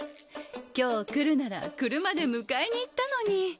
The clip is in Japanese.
今日来るなら車で迎えにいったのに。